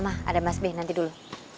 ada mas b nanti dulu